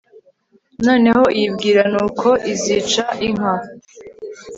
noneho iyibwira n'uko izica inka